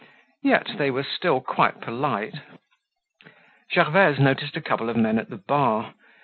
Yet they were still quite polite. Gervaise noticed a couple of men at the bar.